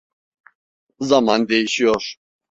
Zaman değişiyor.